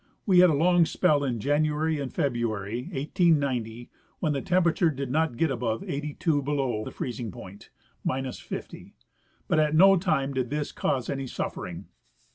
We had a long spell in January and February, 1890, when the temperature did not get above 82° beloAV the freezing point (— 50°), but at no time did this cause any suffering.